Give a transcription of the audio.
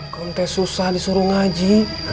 kontes susah disuruh ngaji